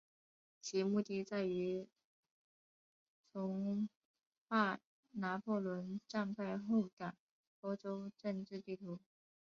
其目的在于重画拿破仑战败后的欧洲政治地图。